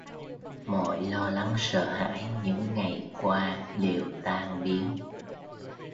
Mọi lo lắng sợ hãi những ngày qua đều tan biến